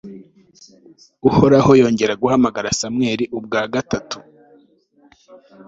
uhoraho yongera guhamagara samweli ubwa gatatu